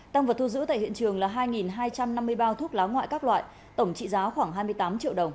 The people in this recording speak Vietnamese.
tăng vật thu giữ tại hiện trường là hai hai trăm năm mươi bao thuốc lá ngoại các loại tổng trị giá khoảng hai mươi tám triệu đồng